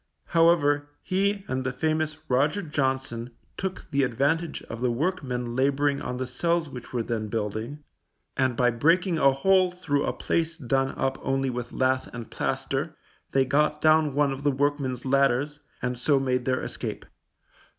However, he and the famous Roger Johnson took the advantage of the workmen labouring on the cells which were then building, and by breaking a hole through a place done up only with lath and plaster, they got down one of the workmen's ladders, and so made their escape.